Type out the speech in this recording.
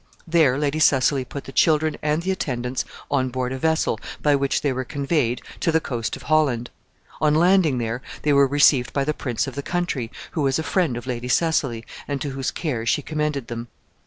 There Lady Cecily put the children and the attendants on board a vessel, by which they were conveyed to the coast of Holland. On landing there, they were received by the prince of the country, who was a friend of Lady Cecily, and to whose care she commended them.